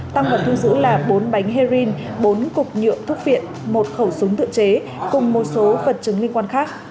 tăng vật thu giữ là bốn bánh heroin bốn cục nhựa thuốc viện một khẩu súng tự chế cùng một số vật chứng liên quan khác